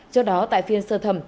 do đó tại phiên sơ thẩm